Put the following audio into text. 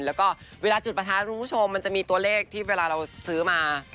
แล้วก็เวลาจุดประทัดคุณผู้ชมมันจะมีตัวเลขที่เวลาเราซื้อมา